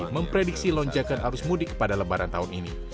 memprediksi lonjakan arus mudik pada lebaran tahun ini